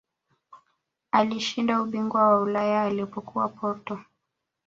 alishinda ubingwa wa ulaya alipokuwa porto